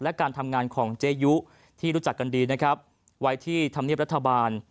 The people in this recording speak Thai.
และการทำงานของเจยุที่รู้จักกันดีนะครับไว้ที่ธรรมเนียบรัฐบาล